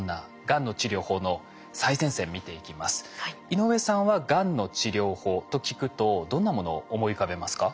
井上さんはがんの治療法と聞くとどんなものを思い浮かべますか？